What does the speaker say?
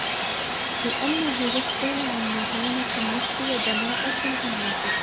لِأَنَّهُ يَصْدُرُ عَنْ مَهَانَةِ النَّفْسِ وَدَنَاءَةِ الْهِمَّةِ